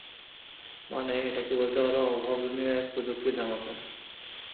মানে, এটাকে বলতে পারো অভাবনীয় এক প্রযুক্তির ধামাকা!